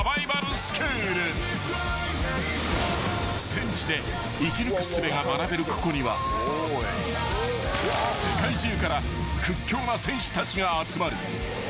［戦地で生き抜くすべが学べるここには世界中から屈強な戦士たちが集まる］